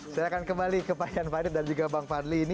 saya akan kembali ke pak jan farid dan juga bang fadli ini